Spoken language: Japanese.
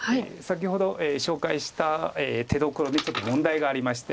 先ほど紹介した手どころでちょっと問題がありまして。